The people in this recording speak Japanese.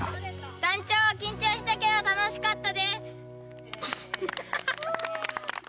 団長緊張したけど楽しかったです！